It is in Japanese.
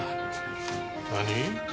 何？